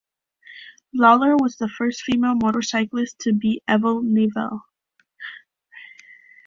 Lawler was the first female motorcyclist to beat Evel Knievel.